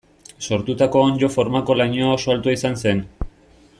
Sortutako onddo formako lainoa oso altua izan zen.